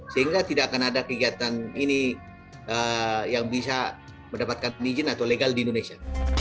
sehingga tidak akan ada kegiatan ini yang bisa mendapatkan izin atau legal di indonesia